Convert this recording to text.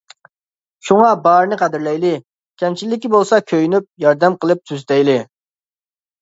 شۇڭا بارىنى قەدىرلەيلى، كەمچىللىكى بولسا كۆيۈنۈپ، ياردەم قىلىپ تۈزىتەيلى.